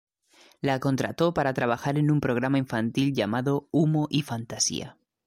La contrató para trabajar en un programa infantil llamado "Humo y fantasía".